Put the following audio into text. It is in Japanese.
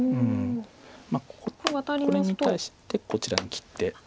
まあこれに対してこちらに切って。